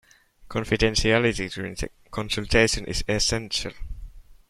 Confidentiality during the consultation is essential